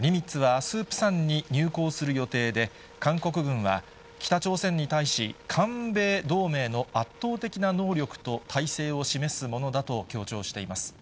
ニミッツはあす、プサンに入港する予定で、韓国軍は北朝鮮に対し、韓米同盟の圧倒的な能力と体勢を示すものだと強調しています。